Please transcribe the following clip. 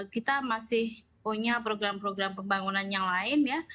kita masih punya program program pembangunan yang lain ya